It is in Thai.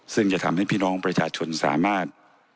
ซึ่งจะทำให้พี่น้องประชาชนสามารถ